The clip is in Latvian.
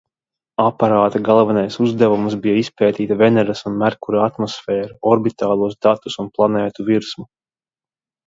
Aparāta galvenais uzdevums bija izpētīt Veneras un Merkura atmosfēru, orbitālos datus un planētu virsmu.